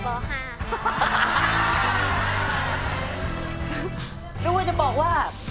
ไม่ว่าจะบอกว่า